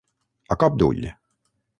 A cop d'ull.